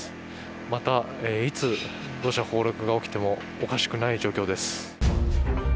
また、いつ、土砂崩落が起きてもおかしくない状況です。